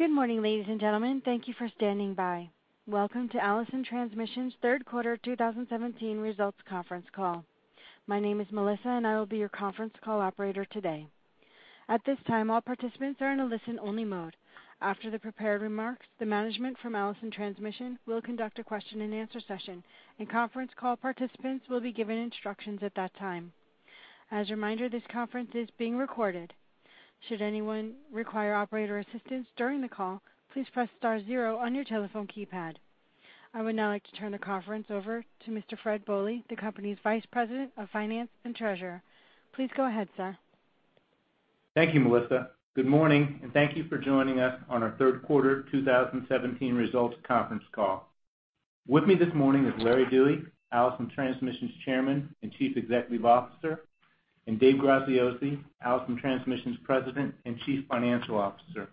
Good morning, ladies and gentlemen. Thank you for standing by. Welcome to Allison Transmission's Third Quarter, 2017 Results Conference Call. My name is Melissa, and I will be your conference call operator today. At this time, all participants are in a listen-only mode. After the prepared remarks, the management from Allison Transmission will conduct a question-and-answer session, and conference call participants will be given instructions at that time. As a reminder, this conference is being recorded. Should anyone require operator assistance during the call, please press star zero on your telephone keypad. I would now like to turn the conference over to Mr. Fred Bohley, the company's Vice President of Finance and Treasurer. Please go ahead, sir. Thank you, Melissa. Good morning, and thank you for joining us on our third quarter 2017 results conference call. With me this morning is Larry Dewey, Allison Transmission's Chairman and Chief Executive Officer, and Dave Graziosi, Allison Transmission's President and Chief Financial Officer.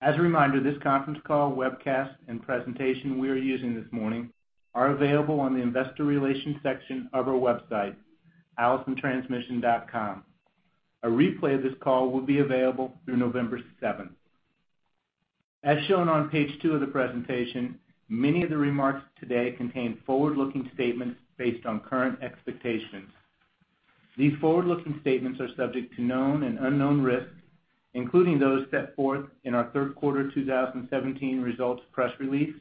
As a reminder, this conference call, webcast, and presentation we are using this morning are available on the investor relations section of our website, allisontransmission.com. A replay of this call will be available through November 7. As shown on page 2 of the presentation, many of the remarks today contain forward-looking statements based on current expectations. These forward-looking statements are subject to known and unknown risks, including those set forth in our third quarter 2017 results press release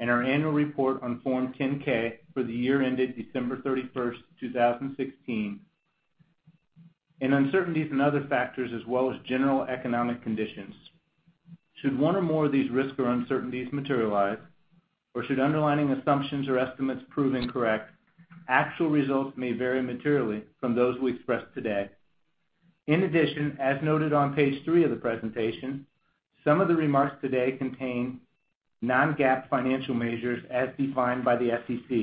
and our annual report on Form 10-K for the year ended December 31, 2016, and uncertainties and other factors as well as general economic conditions. Should one or more of these risks or uncertainties materialize, or should underlying assumptions or estimates prove incorrect, actual results may vary materially from those we express today. In addition, as noted on page 3 of the presentation, some of the remarks today contain non-GAAP financial measures as defined by the SEC.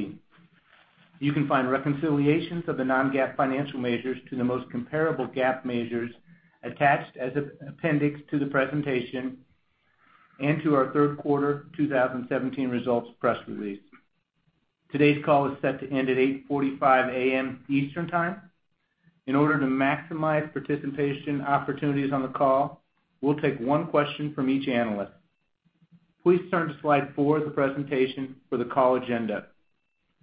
You can find reconciliations of the non-GAAP financial measures to the most comparable GAAP measures attached as an appendix to the presentation and to our third quarter 2017 results press release. Today's call is set to end at 8:45 A.M. Eastern Time. In order to maximize participation opportunities on the call, we'll take one question from each analyst. Please turn to slide four of the presentation for the call agenda.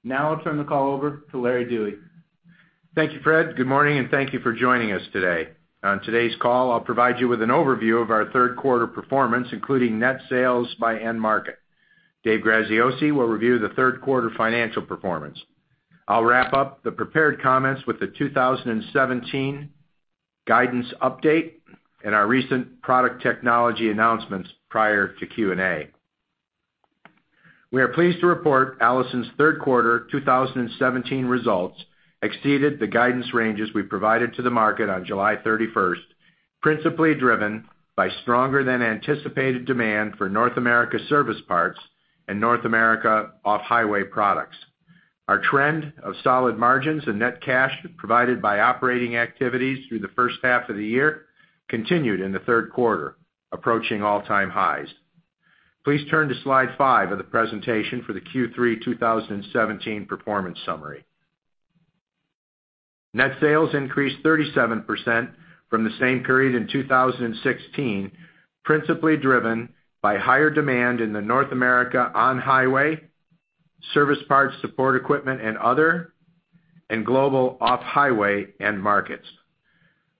Now I'll turn the call over to Larry Dewey. Thank you, Fred. Good morning, and thank you for joining us today. On today's call, I'll provide you with an overview of our third quarter performance, including net sales by end market. Dave Graziosi will review the third quarter financial performance. I'll wrap up the prepared comments with the 2017 guidance update and our recent product technology announcements prior to Q&A. We are pleased to report Allison's third quarter 2017 results exceeded the guidance ranges we provided to the market on July 31, principally driven by stronger than anticipated demand for North America service parts and North America off-highway products. Our trend of solid margins and net cash provided by operating activities through the first half of the year continued in the third quarter, approaching all-time highs. Please turn to slide 5 of the presentation for the Q3 2017 performance summary. Net sales increased 37% from the same period in 2016, principally driven by higher demand in the North America on-highway, service parts, support equipment, and other, and global off-highway end markets.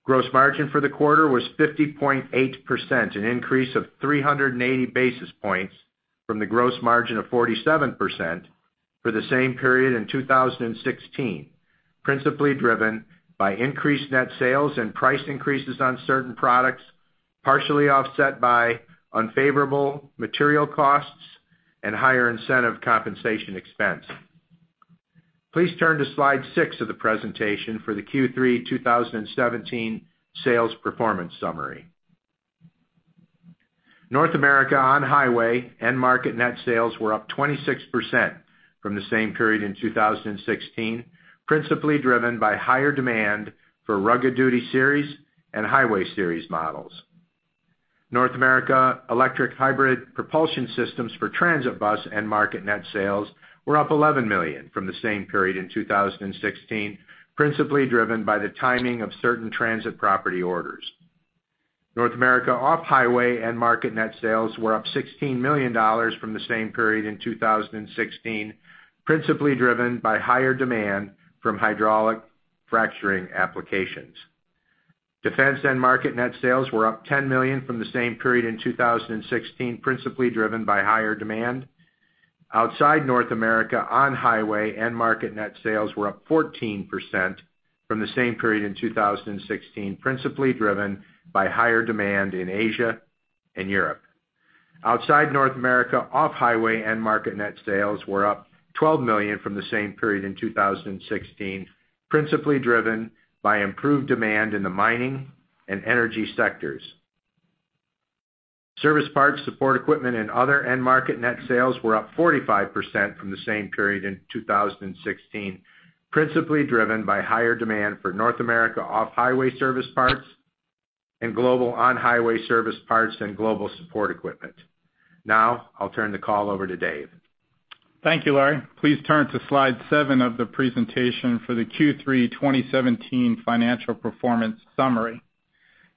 Gross margin for the quarter was 50.8%, an increase of 380 basis points from the gross margin of 47% for the same period in 2016, principally driven by increased net sales and price increases on certain products, partially offset by unfavorable material costs and higher incentive compensation expense. Please turn to slide 6 of the presentation for the Q3 2017 sales performance summary. North America on-highway end market net sales were up 26% from the same period in 2016, principally driven by higher demand for Rugged Duty Series and Highway Series models. North America electric hybrid propulsion systems for transit bus end market net sales were up $11 million from the same period in 2016, principally driven by the timing of certain transit property orders. North America off-highway end market net sales were up $16 million from the same period in 2016, principally driven by higher demand from hydraulic fracturing applications. Defense end market net sales were up $10 million from the same period in 2016, principally driven by higher demand. Outside North America, on-highway end market net sales were up 14% from the same period in 2016, principally driven by higher demand in Asia and Europe. Outside North America, off-highway end market net sales were up $12 million from the same period in 2016, principally driven by improved demand in the mining and energy sectors. Service parts, support equipment, and other end-market net sales were up 45% from the same period in 2016, principally driven by higher demand for North America off-highway service parts and global on-highway service parts and global support equipment. Now I'll turn the call over to Dave. ... Thank you, Larry. Please turn to Slide 7 of the presentation for the Q3 2017 financial performance summary.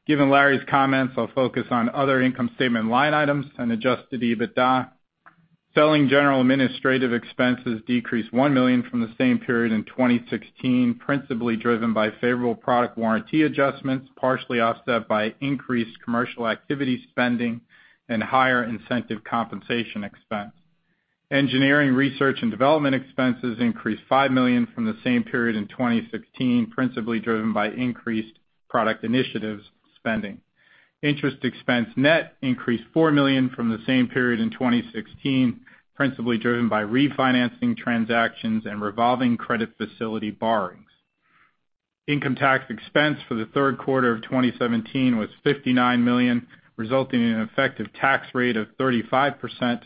Given Larry's comments, I'll focus on other income statement line items and Adjusted EBITDA. Selling general administrative expenses decreased $1 million from the same period in 2016, principally driven by favorable product warranty adjustments, partially offset by increased commercial activity spending and higher incentive compensation expense. Engineering, research, and development expenses increased $5 million from the same period in 2016, principally driven by increased product initiatives spending. Interest expense net increased $4 million from the same period in 2016, principally driven by refinancing transactions and revolving credit facility borrowings. Income tax expense for the third quarter of 2017 was $59 million, resulting in an effective tax rate of 35%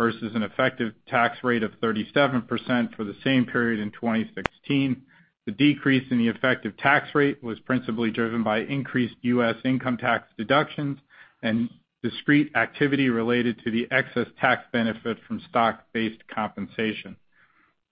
versus an effective tax rate of 37% for the same period in 2016. The decrease in the effective tax rate was principally driven by increased U.S. income tax deductions and discrete activity related to the excess tax benefit from stock-based compensation.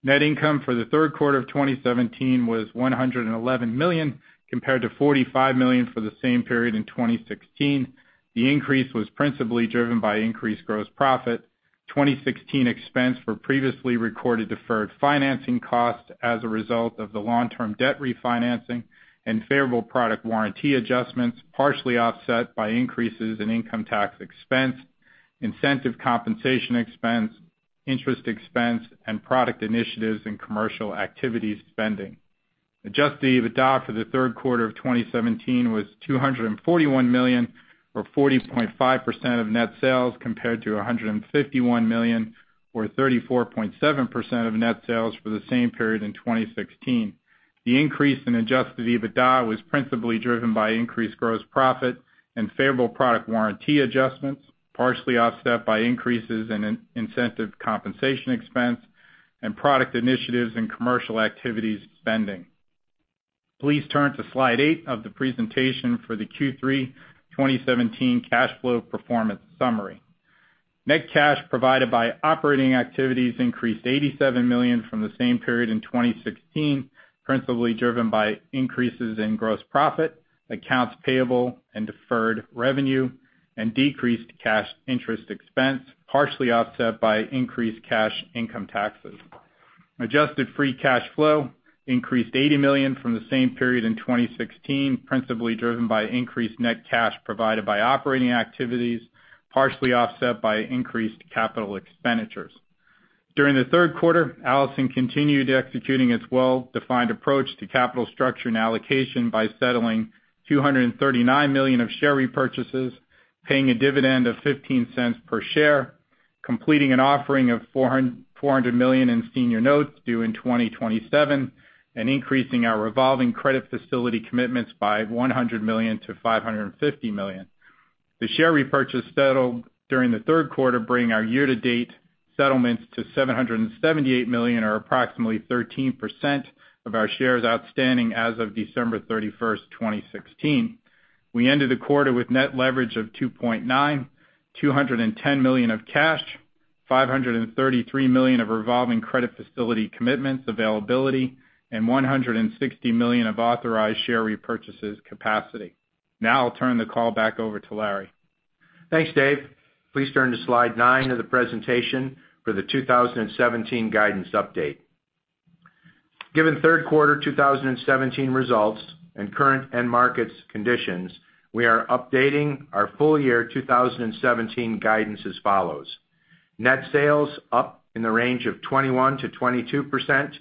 Net income for the third quarter of 2017 was $111 million, compared to $45 million for the same period in 2016. The increase was principally driven by increased gross profit, 2016 expense for previously recorded deferred financing costs as a result of the long-term debt refinancing and favorable product warranty adjustments, partially offset by increases in income tax expense, incentive compensation expense, interest expense, and product initiatives and commercial activities spending. Adjusted EBITDA for the third quarter of 2017 was $241 million, or 40.5% of net sales, compared to $151 million, or 34.7% of net sales for the same period in 2016. The increase in Adjusted EBITDA was principally driven by increased gross profit and favorable product warranty adjustments, partially offset by increases in incentive compensation expense and product initiatives and commercial activities spending. Please turn to Slide 8 of the presentation for the Q3 2017 cash flow performance summary. Net cash provided by operating activities increased $87 million from the same period in 2016, principally driven by increases in gross profit, accounts payable and deferred revenue, and decreased cash interest expense, partially offset by increased cash income taxes. Adjusted Free Cash Flow increased $80 million from the same period in 2016, principally driven by increased net cash provided by operating activities, partially offset by increased capital expenditures. During the third quarter, Allison continued executing its well-defined approach to capital structure and allocation by settling $239 million of share repurchases, paying a dividend of $0.15 per share, completing an offering of $400 million in senior notes due in 2027, and increasing our revolving credit facility commitments by $100 million to $550 million. The share repurchase settled during the third quarter, bringing our year-to-date settlements to $778 million, or approximately 13% of our shares outstanding as of December 31, 2016. We ended the quarter with net leverage of 2.9, $210 million of cash, $533 million of revolving credit facility commitments availability, and $160 million of authorized share repurchases capacity. Now I'll turn the call back over to Larry. Thanks, Dave. Please turn to Slide 9 of the presentation for the 2017 guidance update. Given third quarter 2017 results and current end-market conditions, we are updating our full year 2017 guidance as follows: Net sales up in the range of 21%-22%,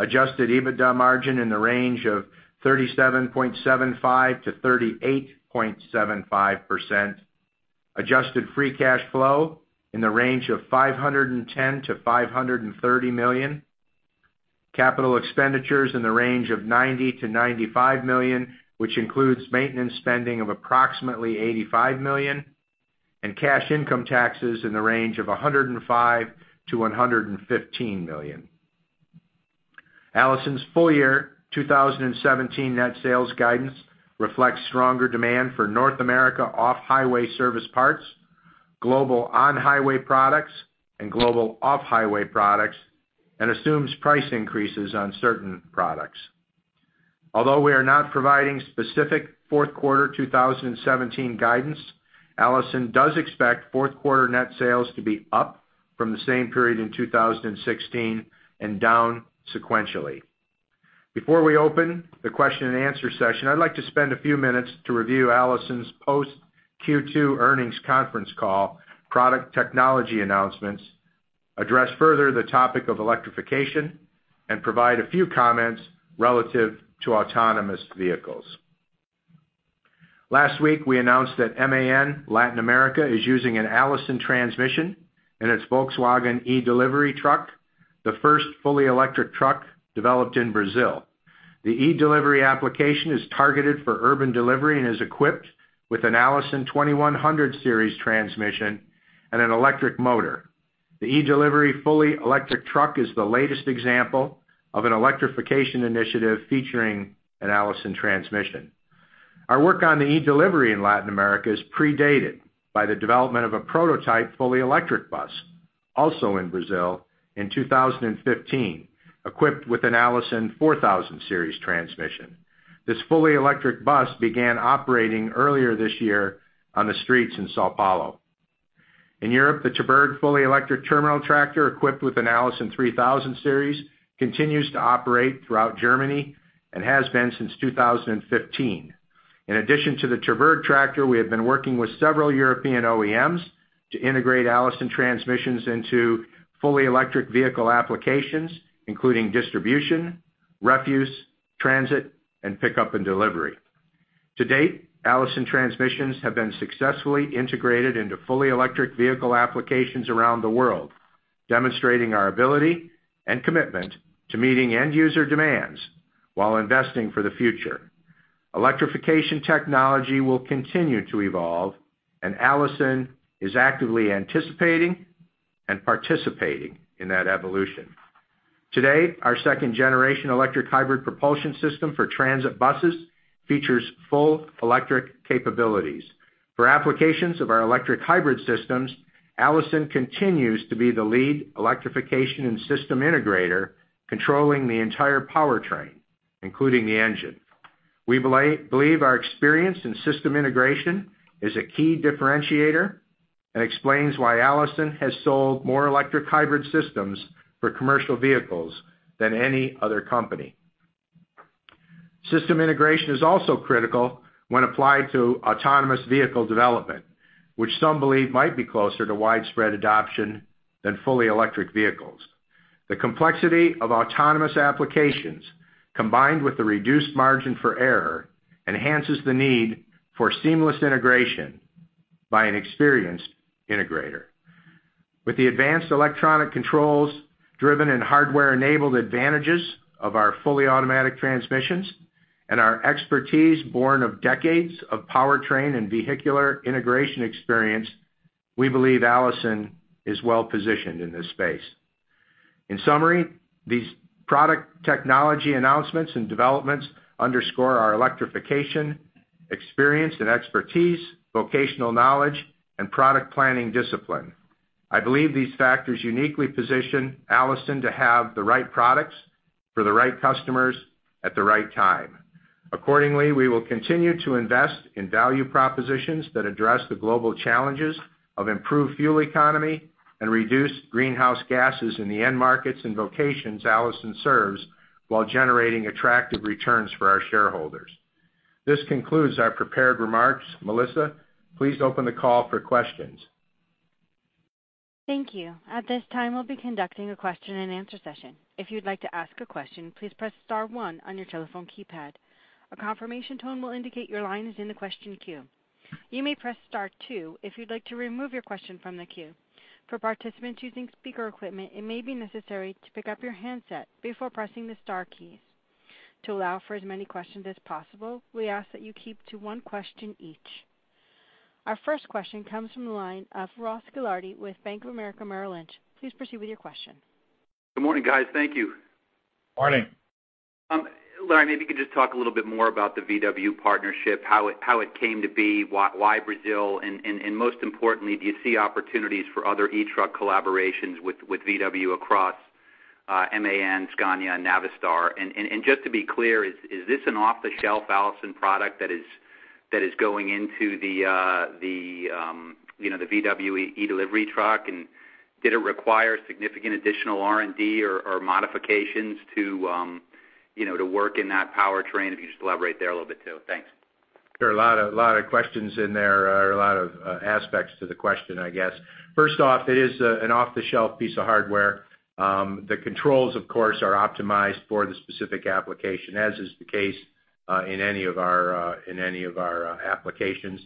Adjusted EBITDA margin in the range of 37.75%-38.75%, Adjusted Free Cash Flow in the range of $510 million-$530 million, capital expenditures in the range of $90 million-$95 million, which includes maintenance spending of approximately $85 million, and cash income taxes in the range of $105 million-$115 million. Allison's full year 2017 net sales guidance reflects stronger demand for North America off-highway service parts, global on-highway products, and global off-highway products, and assumes price increases on certain products. Although we are not providing specific fourth quarter 2017 guidance, Allison does expect fourth quarter net sales to be up from the same period in 2016 and down sequentially. Before we open the question and answer session, I'd like to spend a few minutes to review Allison's post-Q2 earnings conference call, product technology announcements, address further the topic of electrification, and provide a few comments relative to autonomous vehicles. Last week, we announced that MAN Latin America is using an Allison transmission in its Volkswagen e-Delivery truck, the first fully electric truck developed in Brazil. The e-Delivery application is targeted for urban delivery and is equipped with an Allison 2100 Series transmission and an electric motor. The e-Delivery fully electric truck is the latest example of an electrification initiative featuring an Allison Transmission. Our work on the e-Delivery in Latin America is predated by the development of a prototype fully electric bus, also in Brazil, in 2015, equipped with an Allison 4000 Series transmission. This fully electric bus began operating earlier this year on the streets in São Paulo. In Europe, the Terberg fully electric terminal tractor, equipped with an Allison 3000 Series, continues to operate throughout Germany and has been since 2015. In addition to the Terberg tractor, we have been working with several European OEMs to integrate Allison transmissions into fully electric vehicle applications, including distribution, refuse, transit, and pickup and delivery. To date, Allison transmissions have been successfully integrated into fully electric vehicle applications around the world, demonstrating our ability and commitment to meeting end user demands while investing for the future. Electrification technology will continue to evolve, and Allison is actively anticipating and participating in that evolution. Today, our second-generation electric hybrid propulsion system for transit buses features full electric capabilities. For applications of our electric hybrid systems, Allison continues to be the lead electrification and system integrator, controlling the entire powertrain, including the engine. We believe our experience in system integration is a key differentiator and explains why Allison has sold more electric hybrid systems for commercial vehicles than any other company. System integration is also critical when applied to autonomous vehicle development, which some believe might be closer to widespread adoption than fully electric vehicles. The complexity of autonomous applications, combined with the reduced margin for error, enhances the need for seamless integration by an experienced integrator. With the advanced electronic controls driven and hardware-enabled advantages of our fully automatic transmissions and our expertise born of decades of powertrain and vehicular integration experience, we believe Allison is well positioned in this space. In summary, these product technology announcements and developments underscore our electrification, experience and expertise, vocational knowledge, and product planning discipline. I believe these factors uniquely position Allison to have the right products for the right customers at the right time. Accordingly, we will continue to invest in value propositions that address the global challenges of improved fuel economy and reduced greenhouse gases in the end markets and vocations Allison serves, while generating attractive returns for our shareholders. This concludes our prepared remarks. Melissa, please open the call for questions. Thank you. At this time, we'll be conducting a question-and-answer session. If you'd like to ask a question, please press star one on your telephone keypad. A confirmation tone will indicate your line is in the question queue. You may press star two if you'd like to remove your question from the queue. For participants using speaker equipment, it may be necessary to pick up your handset before pressing the star keys. To allow for as many questions as possible, we ask that you keep to one question each. Our first question comes from the line of Ross Gilardi with Bank of America Merrill Lynch. Please proceed with your question. Good morning, guys. Thank you. Morning. Larry, maybe you could just talk a little bit more about the VW partnership, how it came to be, why Brazil, and most importantly, do you see opportunities for other e-truck collaborations with VW across MAN, Scania, and Navistar? And just to be clear, is this an off-the-shelf Allison product that is going into the VW e-Delivery truck? And did it require significant additional R&D or modifications to work in that powertrain? If you just elaborate there a little bit, too. Thanks. There are a lot of questions in there, or a lot of aspects to the question, I guess. First off, it is an off-the-shelf piece of hardware. The controls, of course, are optimized for the specific application, as is the case in any of our applications.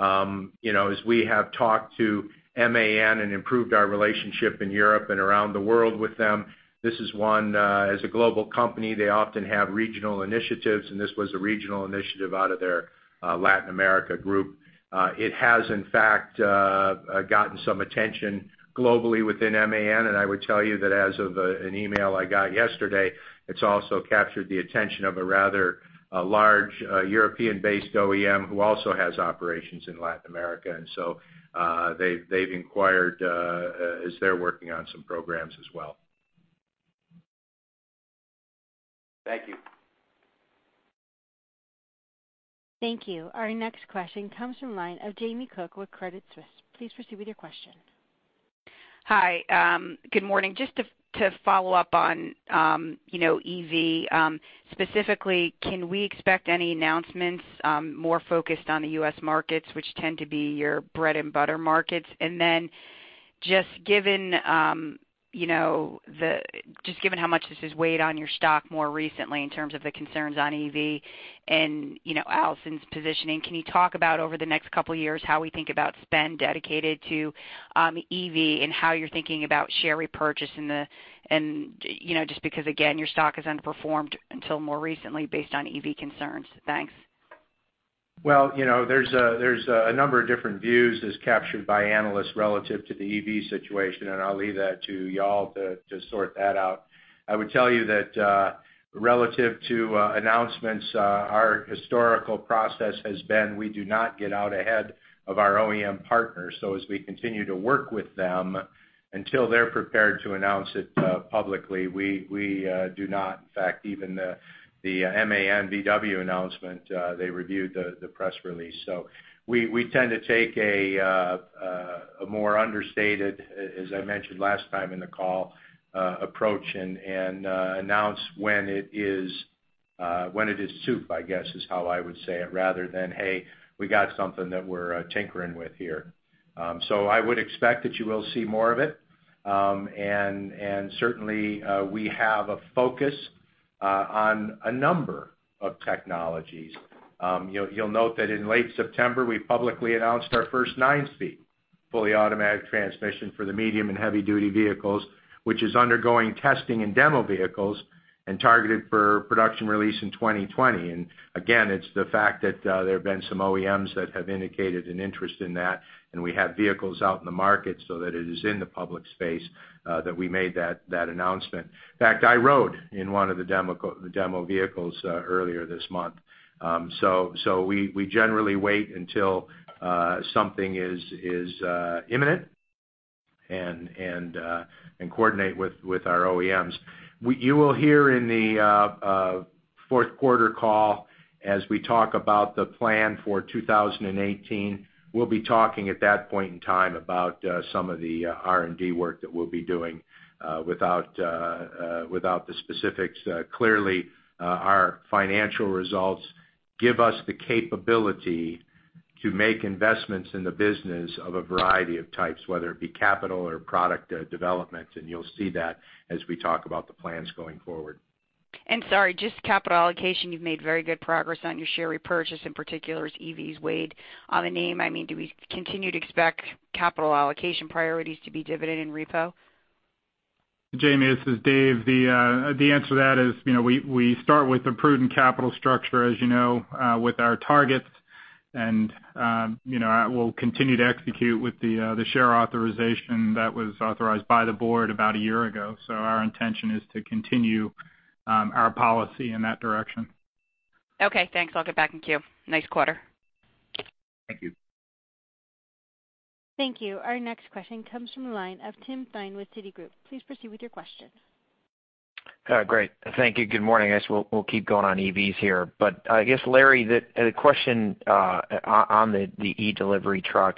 You know, as we have talked to MAN and improved our relationship in Europe and around the world with them, this is one... As a global company, they often have regional initiatives, and this was a regional initiative out of their Latin America group. It has, in fact, gotten some attention globally within MAN, and I would tell you that as of an email I got yesterday, it's also captured the attention of a rather large European-based OEM who also has operations in Latin America. And so, they've inquired as they're working on some programs as well. Thank you. Thank you. Our next question comes from line of Jamie Cook with Credit Suisse. Please proceed with your question. Hi, good morning. Just to follow up on, you know, EV, specifically, can we expect any announcements, more focused on the U.S. markets, which tend to be your bread and butter markets? And then just given, you know, just given how much this has weighed on your stock more recently in terms of the concerns on EV and, you know, Allison's positioning, can you talk about over the next couple of years, how we think about spend dedicated to, EV and how you're thinking about share repurchase in the, and, you know, just because, again, your stock has underperformed until more recently based on EV concerns. Thanks. ...Well, you know, there's a number of different views as captured by analysts relative to the EV situation, and I'll leave that to y'all to sort that out. I would tell you that, relative to announcements, our historical process has been we do not get out ahead of our OEM partners. So as we continue to work with them, until they're prepared to announce it publicly, we do not. In fact, even the MAN VW announcement, they reviewed the press release. So we tend to take a more understated, as I mentioned last time in the call, approach and announce when it is soup, I guess, is how I would say it, rather than, "Hey, we got something that we're tinkering with here." So I would expect that you will see more of it. And certainly, we have a focus on a number of technologies. You'll note that in late September, we publicly announced our first 9-speed, fully automatic transmission for the medium- and heavy-duty vehicles, which is undergoing testing and demo vehicles and targeted for production release in 2020. And again, it's the fact that there have been some OEMs that have indicated an interest in that, and we have vehicles out in the market so that it is in the public space that we made that, that announcement. In fact, I rode in one of the demo vehicles earlier this month. So we generally wait until something is imminent and coordinate with our OEMs. You will hear in the fourth quarter call, as we talk about the plan for 2018, we'll be talking at that point in time about some of the R&D work that we'll be doing without the specifics. Clearly, our financial results give us the capability to make investments in the business of a variety of types, whether it be capital or product development, and you'll see that as we talk about the plans going forward. Sorry, just capital allocation, you've made very good progress on your share repurchase, in particular, as EVs weighed on the name. I mean, do we continue to expect capital allocation priorities to be dividend and repo? Jamie, this is Dave. The answer to that is, you know, we start with a prudent capital structure, as you know, with our targets, and, you know, we'll continue to execute with the share authorization that was authorized by the board about a year ago. So our intention is to continue our policy in that direction. Okay, thanks. I'll get back in queue. Nice quarter. Thank you. Thank you. Our next question comes from the line of Tim Thein with Citigroup. Please proceed with your question. Great. Thank you. Good morning. I guess we'll, we'll keep going on EVs here. But, I guess, Larry, the, the question, on the, the e-Delivery truck,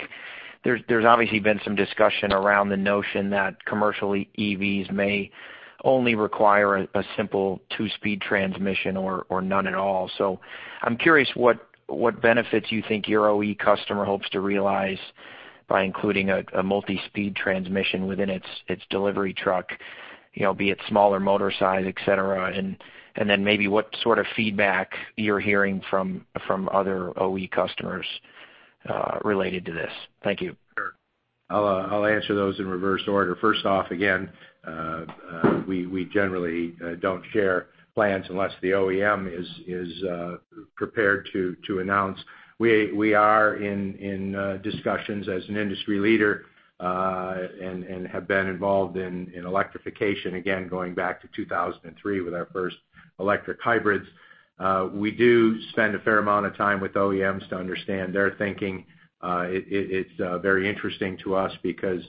there's, there's obviously been some discussion around the notion that commercial EVs may only require a, a simple two-speed transmission or, or none at all. So I'm curious what, what benefits you think your OE customer hopes to realize by including a, a multi-speed transmission within its, its delivery truck, you know, be it smaller motor size, et cetera, and, and then maybe what sort of feedback you're hearing from, from other OE customers, related to this? Thank you. Sure. I'll answer those in reverse order. First off, again, we generally don't share plans unless the OEM is prepared to announce. We are in discussions as an industry leader and have been involved in electrification, again, going back to 2003 with our first electric hybrids. We do spend a fair amount of time with OEMs to understand their thinking. It's very interesting to us because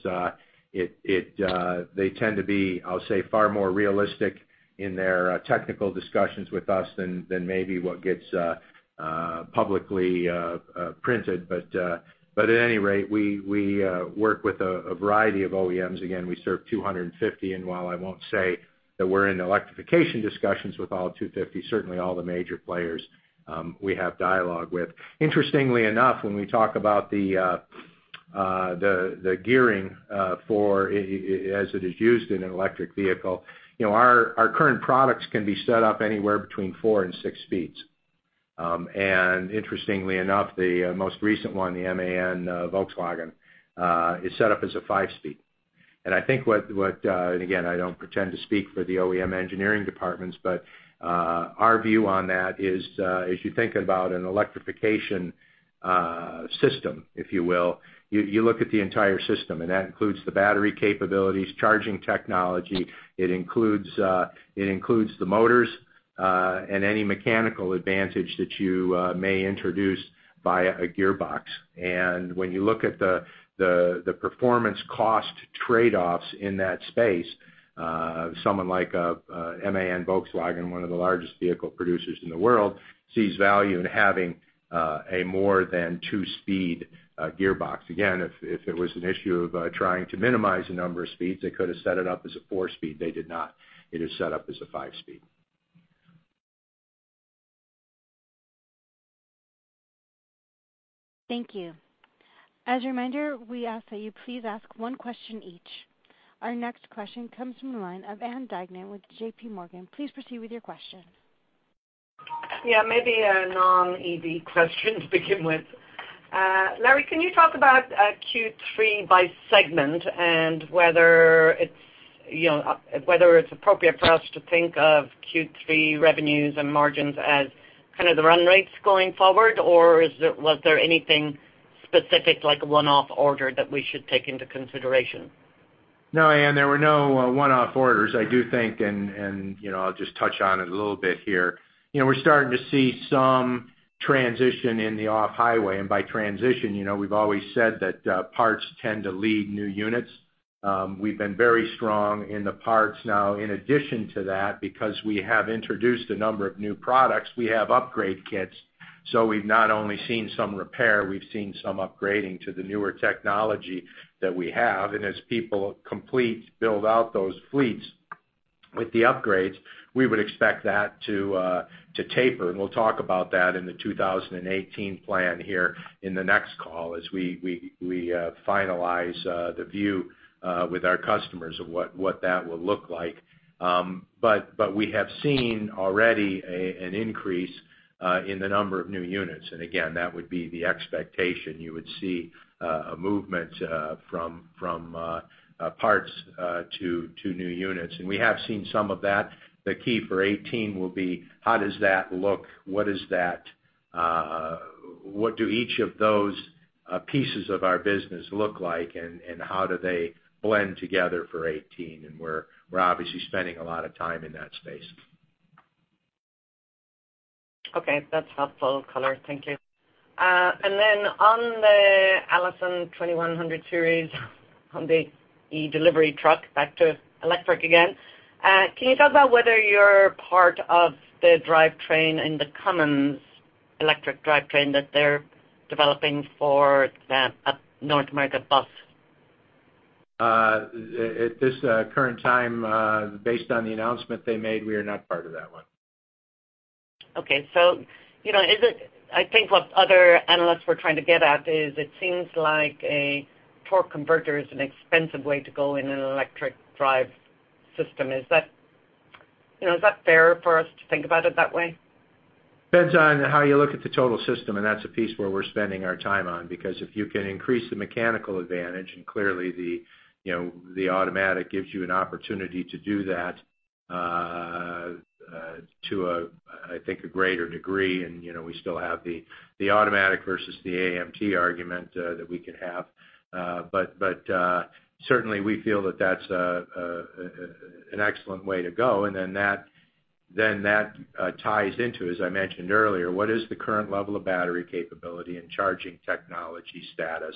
they tend to be, I'll say, far more realistic in their technical discussions with us than maybe what gets publicly printed. But at any rate, we work with a variety of OEMs. Again, we serve 250, and while I won't say that we're in electrification discussions with all 250, certainly all the major players we have dialogue with. Interestingly enough, when we talk about the gearing for it as it is used in an electric vehicle, you know, our current products can be set up anywhere between 4 and 6 speeds. And interestingly enough, the most recent one, the MAN Volkswagen, is set up as a 5-speed. I think, and again, I don't pretend to speak for the OEM engineering departments, but our view on that is, as you think about an electrification system, if you will, you look at the entire system, and that includes the battery capabilities, charging technology. It includes the motors and any mechanical advantage that you may introduce via a gearbox. And when you look at the performance cost trade-offs in that space, someone like MAN Volkswagen, one of the largest vehicle producers in the world, sees value in having a more than two-speed gearbox. Again, if it was an issue of trying to minimize the number of speeds, they could have set it up as a four-speed. They did not. It is set up as a five-speed. Thank you. As a reminder, we ask that you please ask one question each. Our next question comes from the line of Ann Duignan with JPMorgan. Please proceed with your question. Yeah, maybe a non-EV question to begin with... Larry, can you talk about Q3 by segment and whether it's, you know, whether it's appropriate for us to think of Q3 revenues and margins as kind of the run rates going forward? Or is it—was there anything specific, like a one-off order, that we should take into consideration? No, Ann, there were no one-off orders. I do think, you know, I'll just touch on it a little bit here. You know, we're starting to see some transition in the off-highway. And by transition, you know, we've always said that, parts tend to lead new units. We've been very strong in the parts. Now, in addition to that, because we have introduced a number of new products, we have upgrade kits. So we've not only seen some repair, we've seen some upgrading to the newer technology that we have. And as people complete, build out those fleets with the upgrades, we would expect that to taper. And we'll talk about that in the 2018 plan here in the next call as we finalize the view with our customers of what that will look like. But we have seen already an increase in the number of new units. And again, that would be the expectation. You would see a movement from parts to new units. And we have seen some of that. The key for 2018 will be: how does that look? What is that, what do each of those pieces of our business look like, and how do they blend together for 2018? And we're obviously spending a lot of time in that space. Okay, that's helpful color. Thank you. And then on the Allison 2100 Series on the e-Delivery truck, back to electric again, can you talk about whether you're part of the drivetrain in the Cummins electric drivetrain that they're developing for that, North American bus? At this current time, based on the announcement they made, we are not part of that one. Okay. So, you know, is it, I think what other analysts were trying to get at is, it seems like a torque converter is an expensive way to go in an electric drive system. Is that, you know, is that fair for us to think about it that way? Depends on how you look at the total system, and that's a piece where we're spending our time on. Because if you can increase the mechanical advantage, and clearly, you know, the automatic gives you an opportunity to do that to a, I think, a greater degree, and, you know, we still have the automatic versus the AMT argument that we could have. But, certainly we feel that that's an excellent way to go. And then that ties into, as I mentioned earlier, what is the current level of battery capability and charging technology status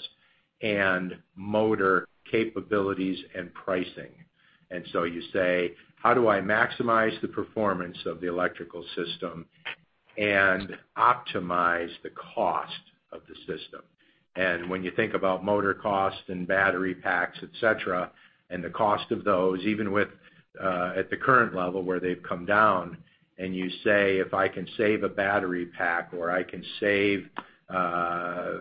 and motor capabilities and pricing? And so you say, "How do I maximize the performance of the electrical system and optimize the cost of the system?" And when you think about motor cost and battery packs, et cetera, and the cost of those, even with, at the current level where they've come down, and you say, "If I can save a battery pack, or I can save, a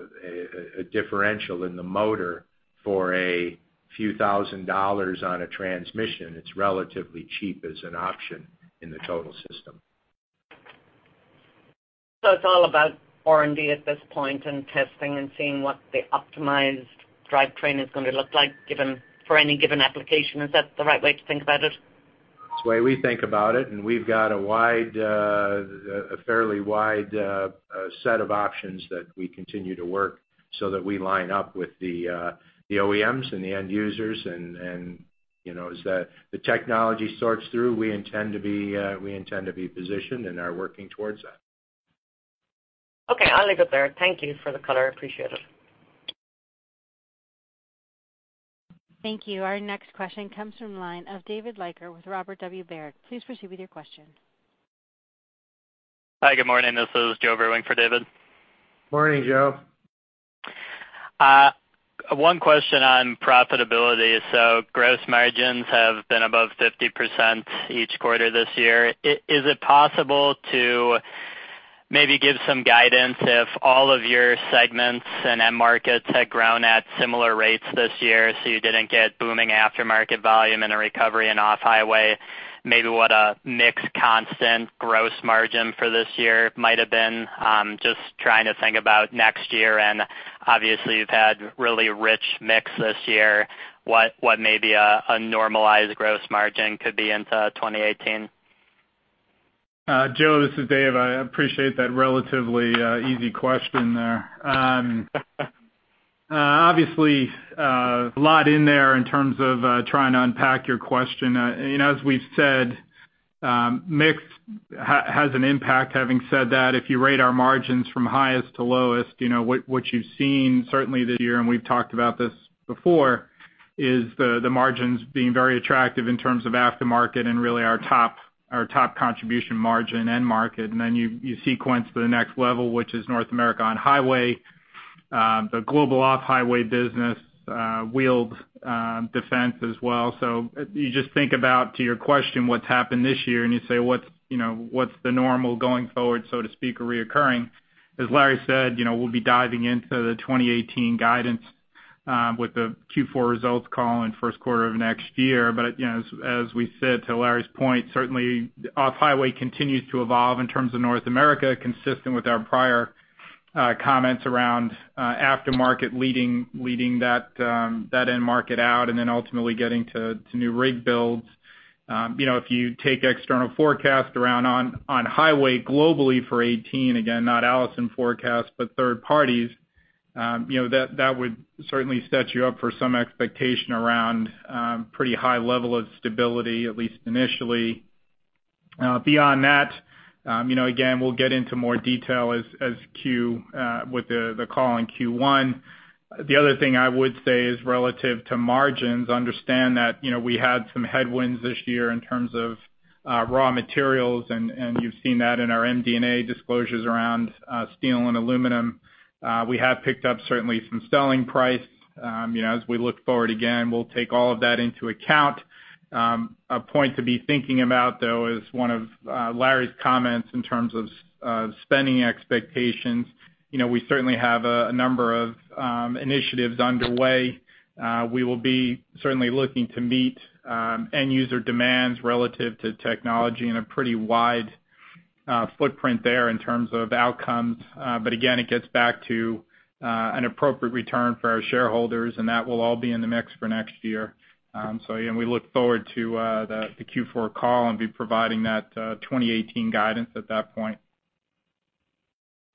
differential in the motor for a few thousand dollars on a transmission, it's relatively cheap as an option in the total system. It's all about R&D at this point and testing and seeing what the optimized drivetrain is gonna look like, given, for any given application. Is that the right way to think about it? That's the way we think about it, and we've got a wide, a fairly wide, set of options that we continue to work so that we line up with the, the OEMs and the end users. And, you know, as that, the technology sorts through, we intend to be positioned and are working towards that. Okay, I'll leave it there. Thank you for the color. Appreciate it. Thank you. Our next question comes from the line of David Leiker with Robert W. Baird. Please proceed with your question. Hi, good morning. This is Joe Irvin for David. Morning, Joe. One question on profitability. So gross margins have been above 50% each quarter this year. Is it possible to maybe give some guidance if all of your segments and end markets had grown at similar rates this year, so you didn't get booming aftermarket volume and a recovery in off-highway, maybe what a mixed constant gross margin for this year might have been? Just trying to think about next year, and obviously, you've had really rich mix this year. What, what maybe a, a normalized gross margin could be into 2018? Joe, this is Dave. I appreciate that relatively easy question there. Obviously, a lot in there in terms of trying to unpack your question. You know, as we've said, mix has an impact. Having said that, if you rate our margins from highest to lowest, you know, what, what you've seen certainly this year, and we've talked about this before, is the, the margins being very attractive in terms of aftermarket and really our top, our top contribution margin end market. And then you, you sequence to the next level, which is North America on-highway, the global off-highway business, wheeled, defense as well. So you just think about, to your question, what's happened this year, and you say, what's, you know, what's the normal going forward, so to speak, or recurring? As Larry said, you know, we'll be diving into the 2018 guidance-... with the Q4 results call in first quarter of next year. But, you know, as we said, to Larry's point, certainly off-highway continues to evolve in terms of North America, consistent with our prior comments around aftermarket leading that end market out, and then ultimately getting to new rig builds. You know, if you take external forecast around on highway globally for 2018, again, not Allison forecast, but third parties, you know, that would certainly set you up for some expectation around pretty high level of stability, at least initially. Beyond that, you know, again, we'll get into more detail as with the call in Q1. The other thing I would say is relative to margins. Understand that, you know, we had some headwinds this year in terms of raw materials, and you've seen that in our MD&A disclosures around steel and aluminum. We have picked up certainly some selling price. You know, as we look forward again, we'll take all of that into account. A point to be thinking about, though, is one of Larry's comments in terms of spending expectations. You know, we certainly have a number of initiatives underway. We will be certainly looking to meet end user demands relative to technology in a pretty wide footprint there in terms of outcomes. But again, it gets back to an appropriate return for our shareholders, and that will all be in the mix for next year. So again, we look forward to the Q4 call and be providing that 2018 guidance at that point.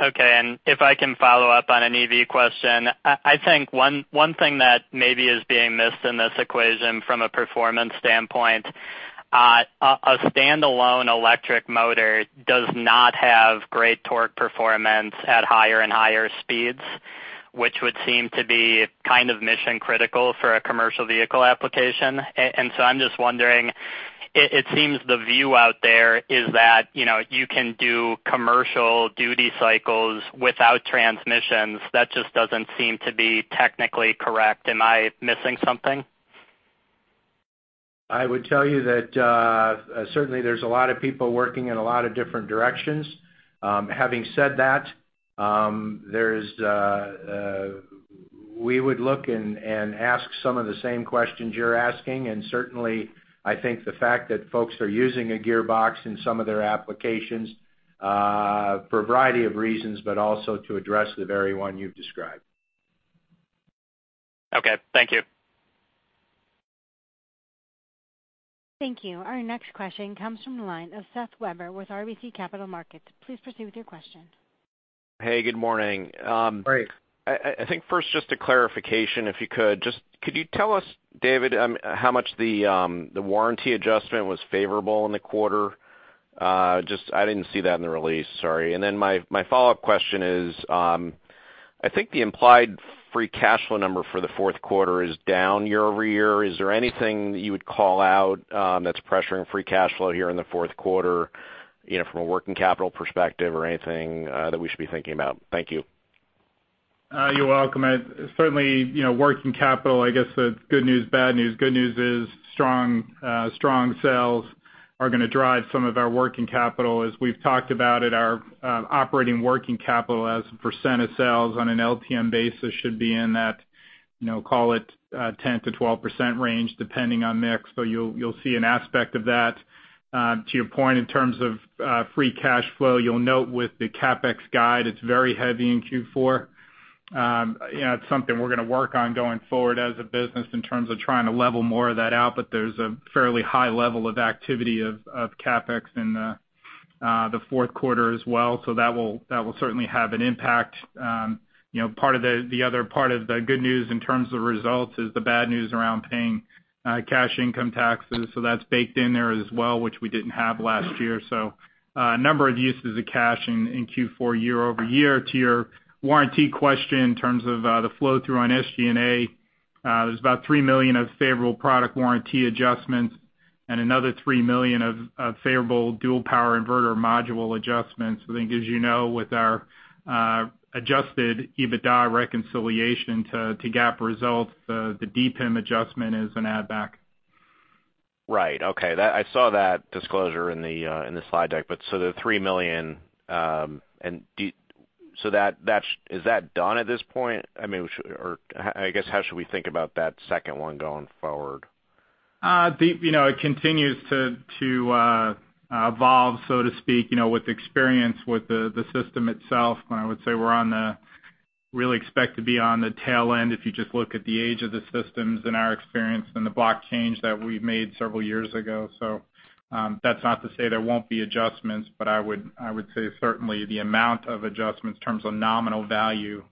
Okay. And if I can follow up on an EV question, I think one thing that maybe is being missed in this equation from a performance standpoint, a standalone electric motor does not have great torque performance at higher and higher speeds, which would seem to be kind of mission critical for a commercial vehicle application. And so I'm just wondering, it seems the view out there is that, you know, you can do commercial duty cycles without transmissions. That just doesn't seem to be technically correct. Am I missing something? I would tell you that, certainly there's a lot of people working in a lot of different directions. Having said that, there's... We would look and ask some of the same questions you're asking, and certainly, I think the fact that folks are using a gearbox in some of their applications, for a variety of reasons, but also to address the very one you've described. Okay, thank you. Thank you. Our next question comes from the line of Seth Weber with RBC Capital Markets. Please proceed with your question. Hey, good morning. Great. I think first, just a clarification, if you could. Just, could you tell us, David, how much the warranty adjustment was favorable in the quarter? Just, I didn't see that in the release. Sorry. And then my follow-up question is, I think the implied free cash flow number for the fourth quarter is down year-over-year. Is there anything that you would call out, that's pressuring free cash flow here in the fourth quarter, you know, from a working capital perspective or anything, that we should be thinking about? Thank you. You're welcome. Certainly, you know, working capital, I guess, the good news, bad news. Good news is strong, strong sales are gonna drive some of our working capital. As we've talked about it, our operating working capital as a % of sales on an LTM basis should be in that, you know, call it, 10%-12% range, depending on mix. So you'll see an aspect of that. To your point, in terms of, free cash flow, you'll note with the CapEx guide, it's very heavy in Q4. You know, it's something we're gonna work on going forward as a business in terms of trying to level more of that out, but there's a fairly high level of activity of CapEx in the fourth quarter as well. So that will certainly have an impact. You know, part of the other part of the good news in terms of results is the bad news around paying cash income taxes, so that's baked in there as well, which we didn't have last year. So, a number of uses of cash in Q4 year-over-year. To your warranty question, in terms of the flow-through on SG&A, there's about $3 million of favorable product warranty adjustments and another $3 million of favorable Dual Power Inverter Module adjustments. I think, as you know, with our adjusted EBITDA reconciliation to GAAP results, the DPIM adjustment is an add-back. Right. Okay. I saw that disclosure in the slide deck, but so the $3 million, and so is that done at this point? I mean, or how, I guess, how should we think about that second one going forward? You know, it continues to evolve, so to speak, you know, with experience with the system itself. And I would say we really expect to be on the tail end if you just look at the age of the systems and our experience and the block change that we made several years ago. So, that's not to say there won't be adjustments, but I would say certainly the amount of adjustments in terms of nominal value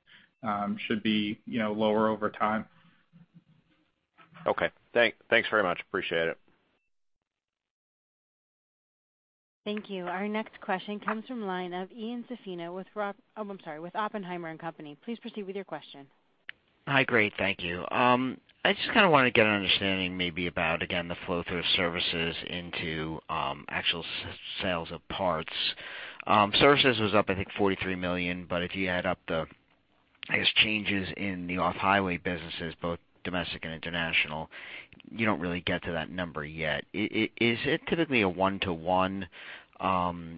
should be, you know, lower over time. Okay. Thanks very much. Appreciate it. Thank you. Our next question comes from the line of Ian Zaffino with Oppenheimer and Company. Please proceed with your question. Hi, great. Thank you. I just kind of wanted to get an understanding maybe about, again, the flow-through services into actual sales of parts. Services was up, I think, $43 million, but if you add up the, I guess, changes in the off-highway businesses, both domestic and international-... you don't really get to that number yet. Is it typically a 1:1,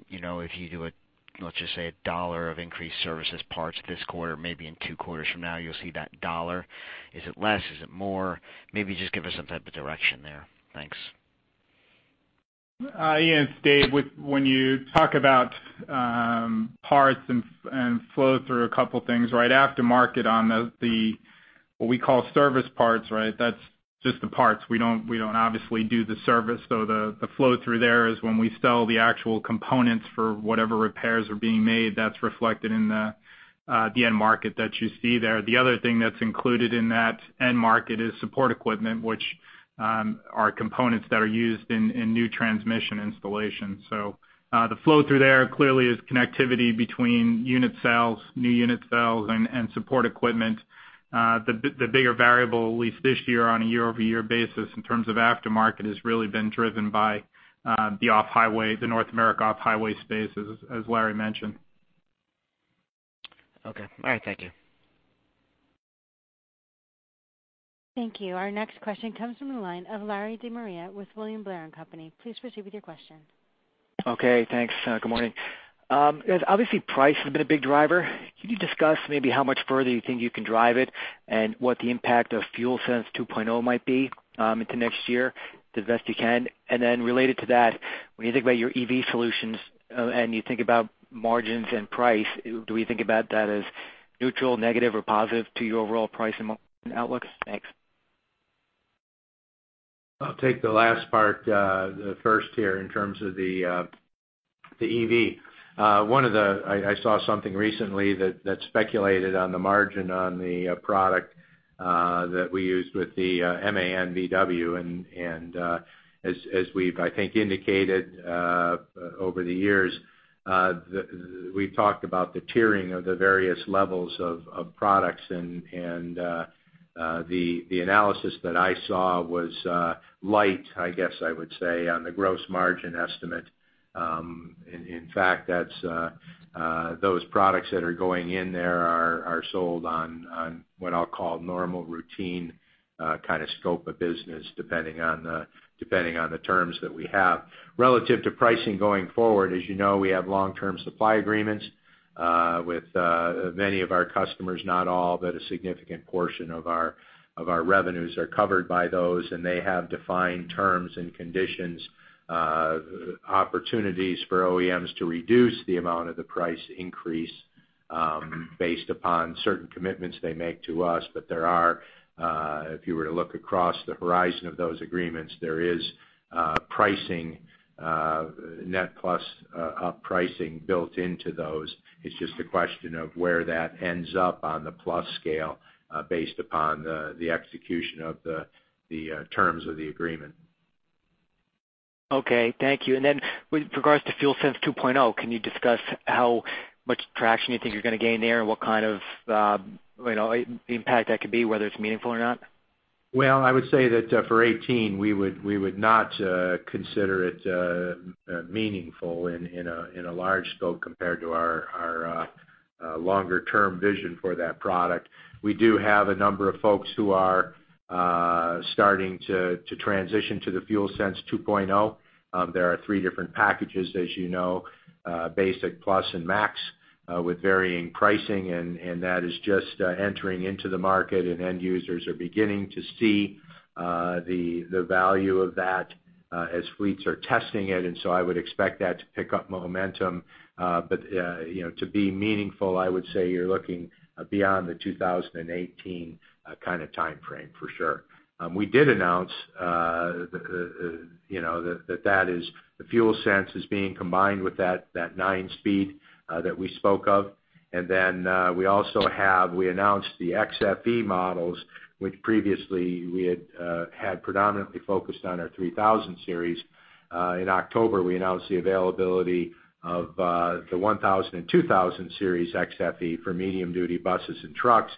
you know, if you do a, let's just say, a $1 of increased service parts this quarter, maybe in two quarters from now, you'll see that $1? Is it less? Is it more? Maybe just give us some type of direction there. Thanks. Yes, Dave, when you talk about parts and flow through a couple things, right aftermarket on the what we call service parts, right? That's just the parts. We don't obviously do the service, so the flow through there is when we sell the actual components for whatever repairs are being made, that's reflected in the end market that you see there. The other thing that's included in that end market is support equipment, which are components that are used in new transmission installations. So, the flow through there clearly is connectivity between unit sales, new unit sales and support equipment. The bigger variable, at least this year, on a year-over-year basis, in terms of aftermarket, has really been driven by the off-highway, the North America off-highway space, as Larry mentioned. Okay. All right, thank you. Thank you. Our next question comes from the line of Larry De Maria with William Blair & Company. Please proceed with your question. Okay, thanks. Good morning. Obviously, price has been a big driver. Can you discuss maybe how much further you think you can drive it, and what the impact of FuelSense 2.0 might be, into next year, the best you can? And then related to that, when you think about your EV solutions, and you think about margins and price, do we think about that as neutral, negative, or positive to your overall pricing outlook? Thanks. I'll take the last part, the first here, in terms of the EV. One of the, I saw something recently that speculated on the margin on the product that we used with the MAN VW, and as we've, I think, indicated over the years, we've talked about the tiering of the various levels of products, and the analysis that I saw was light, I guess I would say, on the gross margin estimate. In fact, that's those products that are going in there are sold on what I'll call normal routine kind of scope of business, depending on the terms that we have. Relative to pricing going forward, as you know, we have long-term supply agreements with many of our customers, not all, but a significant portion of our revenues are covered by those, and they have defined terms and conditions, opportunities for OEMs to reduce the amount of the price increase, based upon certain commitments they make to us. But there are, if you were to look across the horizon of those agreements, there is pricing net plus pricing built into those. It's just a question of where that ends up on the plus scale, based upon the terms of the agreement. Okay, thank you. And then with regards to FuelSense 2.0, can you discuss how much traction you think you're gonna gain there, and what kind of, you know, impact that could be, whether it's meaningful or not? Well, I would say that, for 2018, we would, we would not consider it meaningful in, in a, in a large scope compared to our, our longer term vision for that product. We do have a number of folks who are starting to, to transition to the FuelSense 2.0. There are three different packages, as you know, Basic, Plus, and Max, with varying pricing, and, and that is just entering into the market, and end users are beginning to see the, the value of that, as fleets are testing it, and so I would expect that to pick up momentum. But, you know, to be meaningful, I would say you're looking beyond the 2018 kind of timeframe for sure. We did announce, you know, that that is, the FuelSense is being combined with that, that 9-speed, that we spoke of. And then, we also have, we announced the xFE models, which previously we had had predominantly focused on our 3000 Series. In October, we announced the availability of the 1000 and 2000 Series xFE for medium-duty buses and trucks,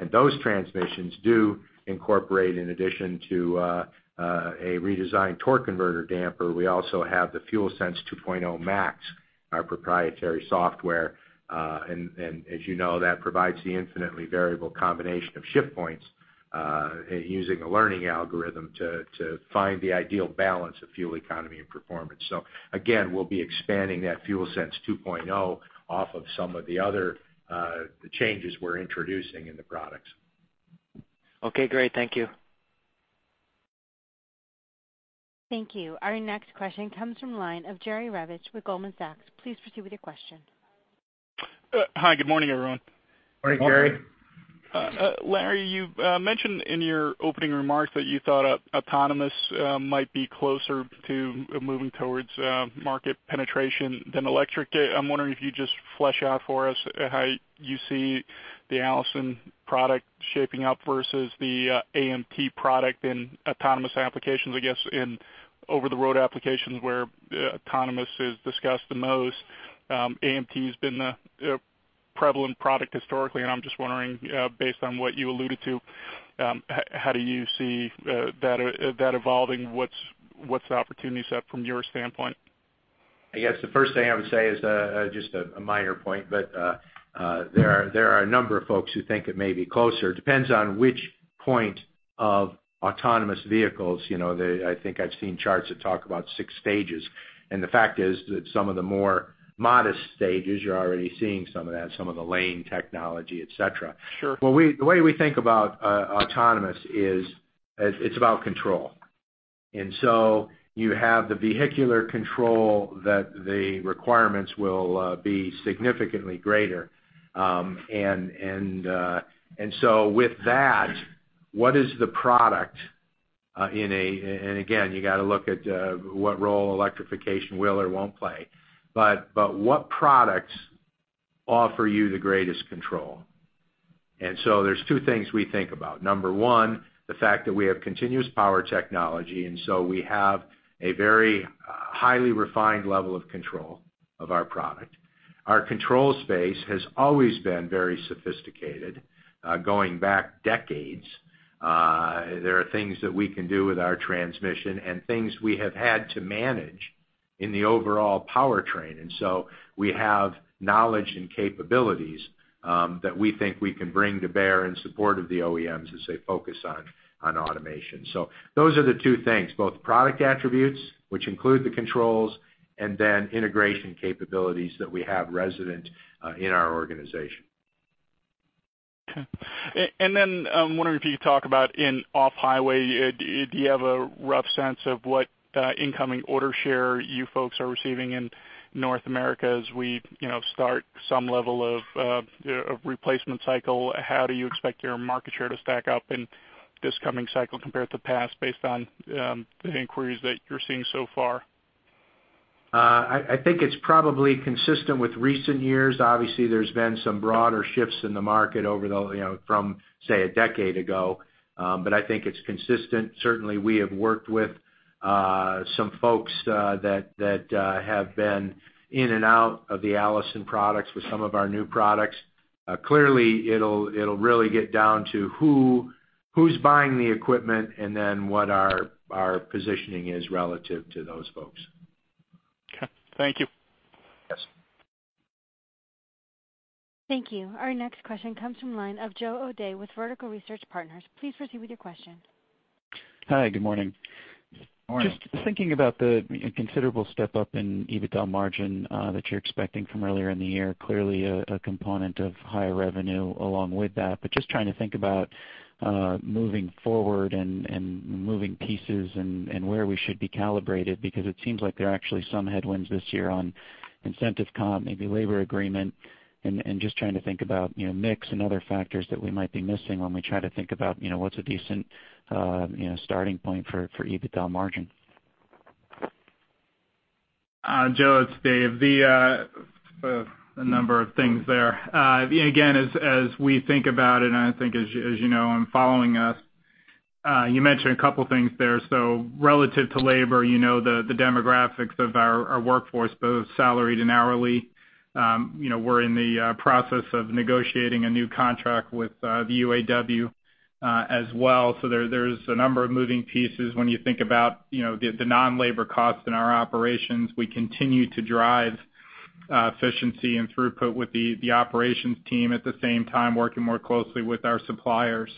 and those transmissions do incorporate, in addition to a redesigned torque converter damper, we also have the FuelSense 2.0 Max, our proprietary software. And as you know, that provides the infinitely variable combination of shift points, using a learning algorithm to find the ideal balance of fuel economy and performance. So again, we'll be expanding that FuelSense 2.0 off of some of the other, the changes we're introducing in the products. Okay, great. Thank you. Thank you. Our next question comes from the line of Jerry Revich with Goldman Sachs. Please proceed with your question. Hi, good morning, everyone. Morning, Jerry. Larry, you mentioned in your opening remarks that you thought autonomous might be closer to moving towards market penetration than electric. I'm wondering if you'd just flesh out for us how you see the Allison product shaping up versus the AMT product in autonomous applications, I guess, in over-the-road applications, where autonomous is discussed the most. AMT has been the prevalent product historically, and I'm just wondering, based on what you alluded to, how do you see that evolving? What's the opportunity set from your standpoint?... I guess the first thing I would say is, just a minor point, but, there are a number of folks who think it may be closer. Depends on which point of autonomous vehicles, you know, they-- I think I've seen charts that talk about six stages. And the fact is that some of the more modest stages, you're already seeing some of that, some of the lane technology, et cetera. Sure. Well, the way we think about autonomous is, it's about control. And so you have the vehicular control that the requirements will be significantly greater. And so with that, what is the product, and again, you gotta look at what role electrification will or won't play. But what products offer you the greatest control? And so there's two things we think about. Number one, the fact that we have continuous power technology, and so we have a very highly refined level of control of our product. Our control space has always been very sophisticated going back decades. There are things that we can do with our transmission and things we have had to manage in the overall powertrain. So we have knowledge and capabilities that we think we can bring to bear in support of the OEMs as they focus on automation. So those are the two things, both product attributes, which include the controls, and then integration capabilities that we have resident in our organization. Okay. And then, wondering if you could talk about in off-highway, do you have a rough sense of what incoming order share you folks are receiving in North America as we, you know, start some level of replacement cycle? How do you expect your market share to stack up in this coming cycle compared to the past, based on the inquiries that you're seeing so far? I think it's probably consistent with recent years. Obviously, there's been some broader shifts in the market over the, you know, from, say, a decade ago, but I think it's consistent. Certainly, we have worked with some folks that have been in and out of the Allison products with some of our new products. Clearly, it'll really get down to who, who's buying the equipment and then what our, our positioning is relative to those folks. Okay. Thank you. Yes. Thank you. Our next question comes from line of Joe O'Dea with Vertical Research Partners. Please proceed with your question. Hi, good morning. Morning. Just thinking about the considerable step up in EBITDA margin that you're expecting from earlier in the year, clearly a component of higher revenue along with that. But just trying to think about moving forward and moving pieces and where we should be calibrated, because it seems like there are actually some headwinds this year on incentive comp, maybe labor agreement, and just trying to think about, you know, mix and other factors that we might be missing when we try to think about, you know, what's a decent, you know, starting point for EBITDA margin. Joe, it's Dave. A number of things there. Again, as we think about it, and I think as you know, in following us, you mentioned a couple things there. So relative to labor, you know, the demographics of our workforce, both salaried and hourly. You know, we're in the process of negotiating a new contract with the UAW, as well. So there, there's a number of moving pieces when you think about, you know, the non-labor costs in our operations. We continue to drive efficiency and throughput with the operations team, at the same time, working more closely with our suppliers.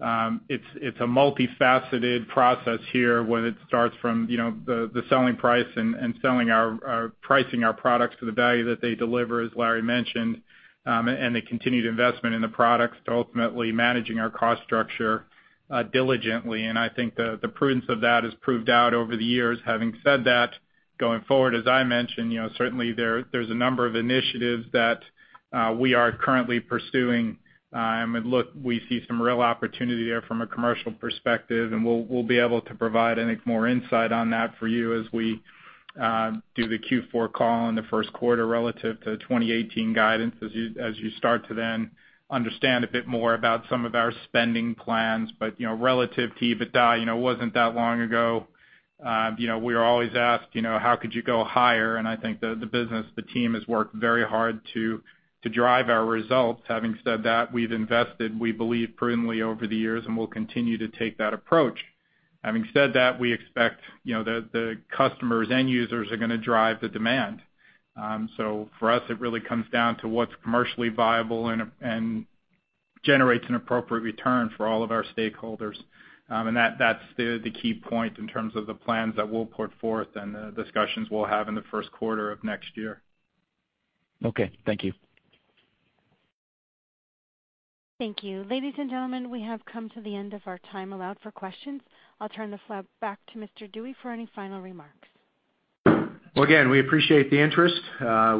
So, it's a multifaceted process here, whether it starts from, you know, the selling price and pricing our products to the value that they deliver, as Larry mentioned, and the continued investment in the products to ultimately managing our cost structure diligently. And I think the prudence of that has proved out over the years. Having said that, going forward, as I mentioned, you know, certainly there's a number of initiatives that we are currently pursuing. I mean, look, we see some real opportunity there from a commercial perspective, and we'll be able to provide, I think, more insight on that for you as we do the Q4 call in the first quarter relative to 2018 guidance, as you start to then understand a bit more about some of our spending plans. But, you know, relative to EBITDA, you know, it wasn't that long ago, you know, we are always asked, you know, "How could you go higher?" And I think the, the business, the team has worked very hard to, to drive our results. Having said that, we've invested, we believe, prudently over the years, and we'll continue to take that approach. Having said that, we expect, you know, the, the customers, end users, are gonna drive the demand. So for us, it really comes down to what's commercially viable and, and generates an appropriate return for all of our stakeholders. And that- that's the, the key point in terms of the plans that we'll put forth and the discussions we'll have in the first quarter of next year. Okay, thank you. Thank you. Ladies and gentlemen, we have come to the end of our time allowed for questions. I'll turn the floor back to Mr. Dewey for any final remarks. Well, again, we appreciate the interest.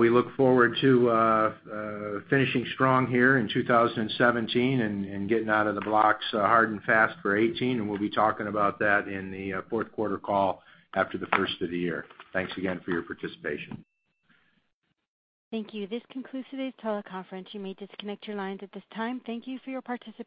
We look forward to finishing strong here in 2017 and getting out of the blocks hard and fast for 2018, and we'll be talking about that in the fourth quarter call after the first of the year. Thanks again for your participation. Thank you. This concludes today's teleconference. You may disconnect your lines at this time. Thank you for your participation.